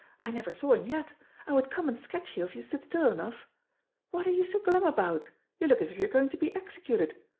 I never saw him yet. I would come and sketch you if you stood still enough. What are you so glum about? You look as if you were going to be executed.